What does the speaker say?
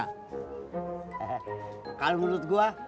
kalo menurut gue